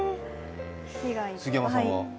杉山さんは？